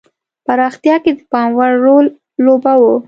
پراختیا کې د پاموړ رول لوباوه.